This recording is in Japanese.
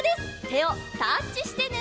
てをタッチしてね！